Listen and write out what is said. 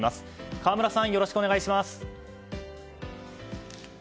河村さん、よろしくお願いします。